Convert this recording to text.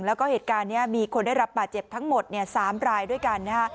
แล้วก็เหตุการณ์นี้มีคนได้รับบาดเจ็บทั้งหมด๓รายด้วยกันนะฮะ